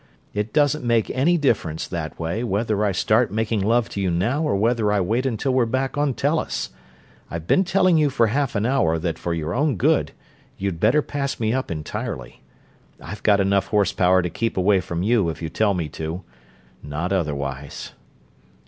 It doesn't make any difference, that way, whether I start making love to you now or whether I wait until we're back on Tellus I've been telling you for half an hour that for your own good you'd better pass me up entirely. I've got enough horsepower to keep away from you if you tell me to not otherwise."